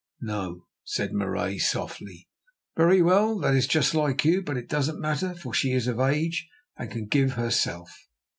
"No," said Marais softly. "Very well, that is just like you, but it doesn't matter, for she is of age and can give herself.